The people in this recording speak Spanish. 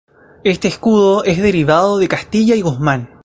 Este escudo es derivado de Castilla y Guzmán.